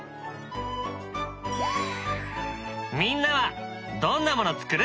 みんなはどんなもの作る？